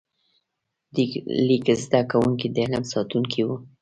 د لیک زده کوونکي د علم ساتونکي وو.